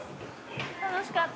楽しかった。